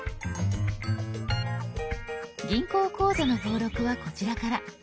「銀行口座」の登録はこちらから。